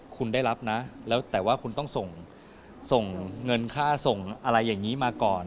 คุณได้รับนะแล้วแต่ว่าคุณต้องส่งเงินค่าส่งอะไรอย่างนี้มาก่อน